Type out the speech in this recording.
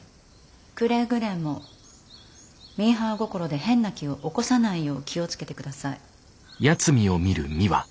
くれぐれもミーハー心で変な気を起こさないよう気を付けて下さい。